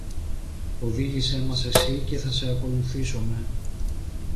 Οδήγησε μας εσύ και θα σε ακολουθήσομε!